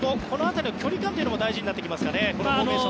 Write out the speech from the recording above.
この辺りの距離感も大事になってきますかね。